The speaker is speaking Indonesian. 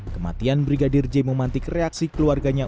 kematian brigadir j memantik reaksi keluarganya